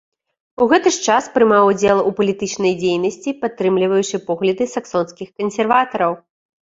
У гэты ж час прымаў удзел у палітычнай дзейнасці, падтрымліваючы погляды саксонскіх кансерватараў.